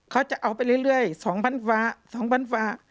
เขาจะเอาไปเรื่อยเรื่อยสองพันฟาสองพันฟา